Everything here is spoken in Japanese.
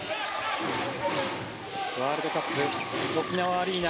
ワールドカップ、沖縄アリーナ